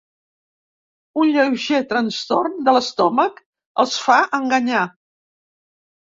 Un lleuger trastorn de l'estómac els fa enganyar.